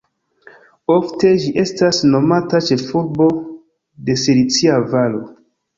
Ofte ĝi estas nomata "ĉefurbo de Silicia Valo.